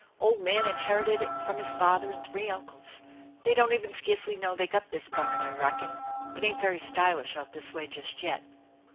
Old man in herited it from his father and three uncles. They don't even scarcely know they got this barn, I reckon. It ain't very stylish out this way just yet."